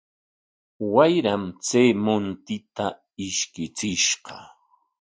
Wayram chay muntita ishkichishqa.